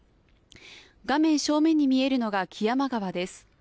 画面正面に見えるのが木山川です。